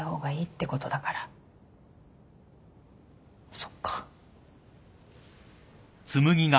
そっか。